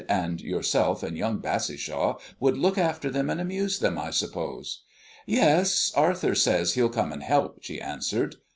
"And yourself and young Bassishaw would look after them and amuse them, I suppose?" "Yes, Arthur says he'll come and help," she answered.